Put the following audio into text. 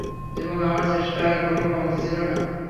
এবং আমার চেষ্টার কোন কমতি ছিলো না।